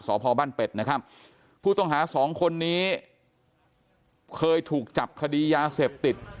สพบ้านเป็ดนะครับผู้ต้องหาสองคนนี้เคยถูกจับคดียาเสพติด